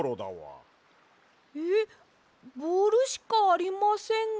えっボールしかありませんが。